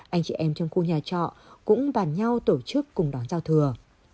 anh chị em trong khu nhà trọ cũng bàn nhau tổ chức cùng đón giao thừa